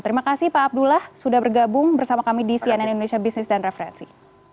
terima kasih pak abdullah sudah bergabung bersama kami di cnn indonesia business dan referensi